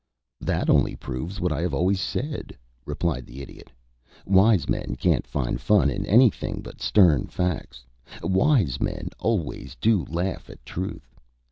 "That only proves what I have always said," replied the Idiot. "Wise men can't find fun in anything but stern facts. Wise men always do laugh at truth.